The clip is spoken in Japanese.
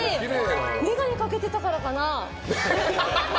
眼鏡かけてたからかな。